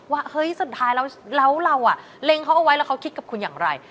เฮ้ยสุดท้ายแล้วเราเล็งเขาเอาไว้แล้วเขาคิดกับคุณอย่างไร